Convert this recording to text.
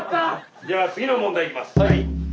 じゃあ次の問題いきます。